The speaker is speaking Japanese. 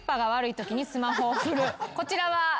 こちらは？